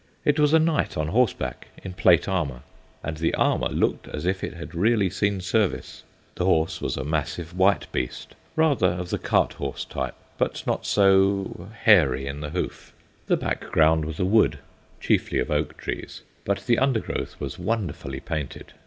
It was a knight on horseback, in plate armour, and the armour looked as if it had really seen service. The horse was a massive white beast, rather of the cart horse type, but not so "hairy in the hoof"; the background was a wood, chiefly of oak trees; but the undergrowth was wonderfully painted.